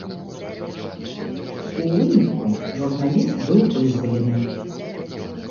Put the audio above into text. У выніку, журналіст быў вызвалены.